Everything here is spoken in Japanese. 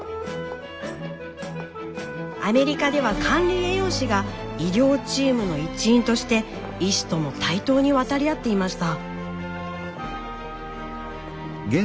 アメリカでは管理栄養士が医療チームの一員として医師とも対等に渡り合っていました。